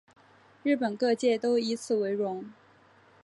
日本各界都以此为荣。